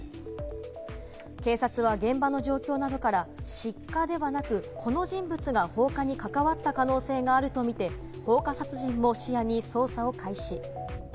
警察は現場の状況などから失火ではなく、この人物が放火に関わった可能性があるとみて、放火殺人も視野に捜査を開始。